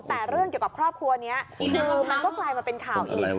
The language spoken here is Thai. แต่เรื่องเกี่ยวกับครอบครัวนี้คือมันก็กลายมาเป็นข่าวอีก